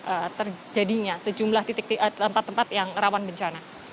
untuk terjadinya sejumlah tempat tempat yang rawan bencana